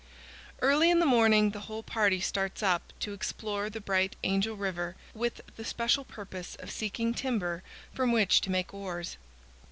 Early in the morning the whole party starts up to explore the Bright Angel River, with the special purpose of seeking timber from which to make oars.